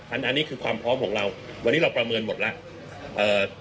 อันนี้คือความพร้อมของเราวันนี้เราประเมินหมดแล้ว